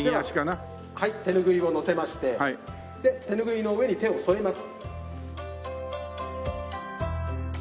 手ぬぐいをのせましてで手ぬぐいの上に手を添えます。